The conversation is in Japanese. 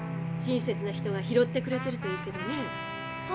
親切な人が拾ってくれてるといいけどね。